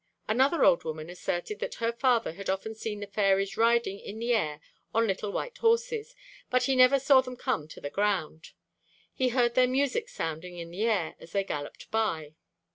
Another old woman asserted that her father had often seen the fairies riding in the air on little white horses; but he never saw them come to the ground. He heard their music sounding in the air as they galloped by.